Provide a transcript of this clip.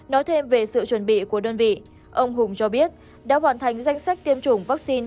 nói thêm về sự chuẩn bị của đơn vị ông hùng cho biết đã hoàn thành danh sách tiêm chủng vaccine